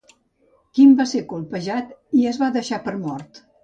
Kim va ser colpejat i es va deixar per mort.